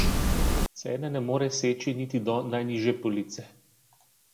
Cene ne more seči niti do najnižje police.